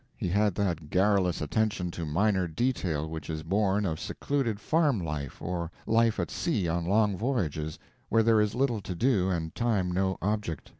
He had that garrulous attention to minor detail which is born of secluded farm life or life at sea on long voyages, where there is little to do and time no object.